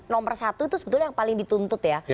nomor satu itu sebetulnya yang paling dituntut ya